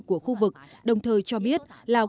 của khu vực đồng thời cho biết lào